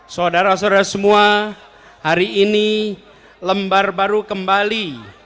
saudara saudara semua hari ini lembar baru kembali